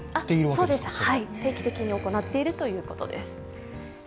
そうです、定期的に行っているということです。